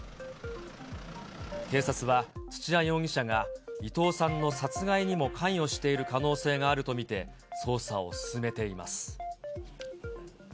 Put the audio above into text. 警察は、土屋容疑者が伊藤さんの殺害にも関与している可能性があると見て、捜査を進めています。